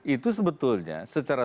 itu sebetulnya secara